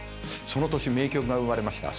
その年名曲が生まれました。